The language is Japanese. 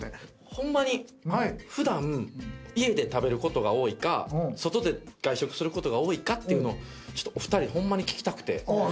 ホンマに普段家で食べることが多いか外で外食することが多いかっていうのをちょっとお二人ホンマに聞きたくて。